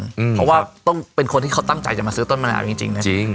เพราะว่าต้องเป็นคนที่เขาตั้งใจจะมาซื้อต้นมะนาวจริงนะจริง